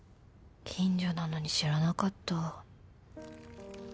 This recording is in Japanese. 近所なのに知らなかった